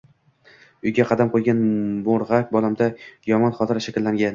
Uyiga qadam qoʻygan moʻrgʻak bolamda yomon xotira shakllangan